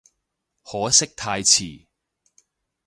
可惜太遲